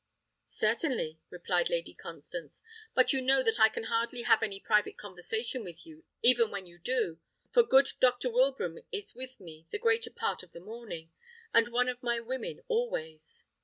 "Certainly," replied Lady Constance; "but you know that I can hardly have any private conversation with you even when you do; for good Dr. Wilbraham is with me the greater part of the morning, and one of my women always."